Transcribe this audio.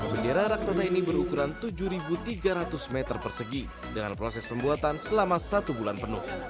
bendera raksasa ini berukuran tujuh tiga ratus meter persegi dengan proses pembuatan selama satu bulan penuh